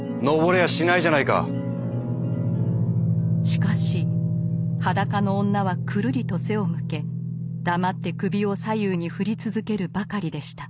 しかし裸の女はくるりと背を向け黙って首を左右に振り続けるばかりでした。